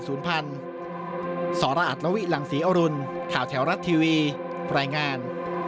สรอัตลวิหลังศรีอรุณข่าวแถวรัฐทีวีรายงาน